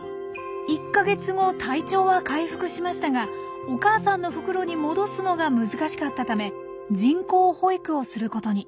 １か月後体調は回復しましたがお母さんの袋に戻すのが難しかったため人工哺育をすることに。